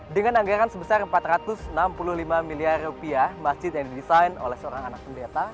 dengan anggaran sebesar empat ratus enam puluh lima miliar rupiah masjid yang didesain oleh seorang anak pendeta